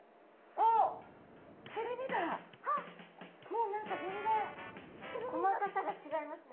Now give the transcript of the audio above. あっもう何か全然細かさが違いますね。